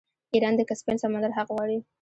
ایران د کسپین سمندر حق غواړي.